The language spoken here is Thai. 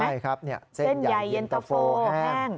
ใช่ครับเส้นใหญ่เย็นตะโฟแห้ง